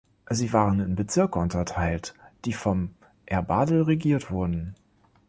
Sie waren in Bezirke unterteilt, die vom Erbadel regiert wurden.